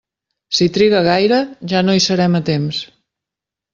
Si triga gaire ja no hi serem a temps.